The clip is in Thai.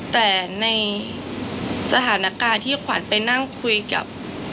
แต่ในสถานการณ์ที่ขวัญไปนั่งคุยกับ